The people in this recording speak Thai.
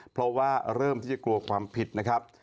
เพราะว่าเริ่มที่จะกลัวความผิดนะครับ